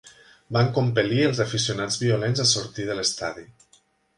Van compel·lir els aficionats violents a sortir de l'estadi.